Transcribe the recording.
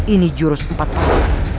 ini jurus empat pas